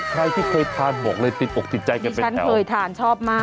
ใครที่เคยทานบอกเลยติดอกใจใจกันไว้แปลว